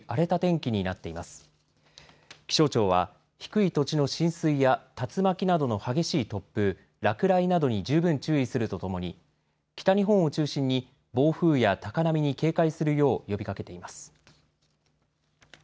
気象庁は低い土地の浸水や竜巻などの激しい突風、落雷などに十分注意するとともに北日本を中心に暴風や高波に警戒するよう呼びかけています。